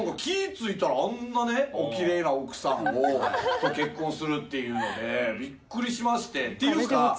ついたらあんなねおきれいな奥さんと結婚するっていうのでびっくりしましてていうか